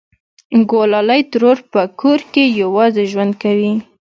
گلالۍ ترور په کور کې یوازې ژوند کوي